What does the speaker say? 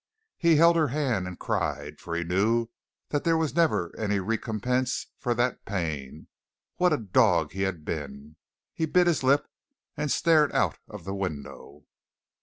He held her hand and cried, for he knew that there was never any recompense for that pain. What a dog he had been! He bit his lip and stared out of the window.